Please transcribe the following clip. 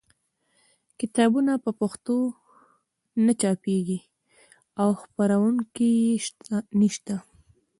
کتابونه په پښتو نه چاپېږي او خپرونکي یې نشته.